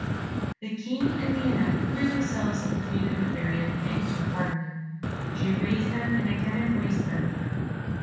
The King and Lionette threw themselves at the feet of the Fairy, and thanked her heartily. She raised them, and again embraced them.